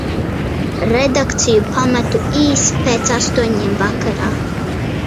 Redakciju pametu īsi pēc astoņiem vakarā.